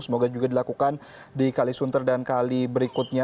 semoga juga dilakukan di kali sunter dan kali berikutnya